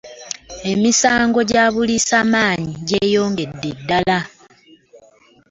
Emisango gyobuliisa maanyi gyeyongeredde ddala